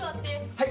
はい。